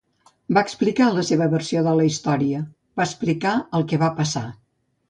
Va explicar la seva versió de la història, va explicar el que va passar.